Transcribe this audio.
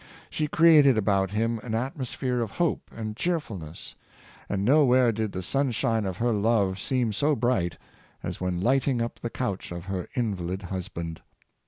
She created about him an atmosphere of hope and cheerfulness, and no where did the sunshine of her love seem so bright as when lighting up the couch of her invalid husband.